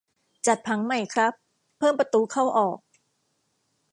จัดผังใหม่ครับ เพิ่มประตูเข้าออก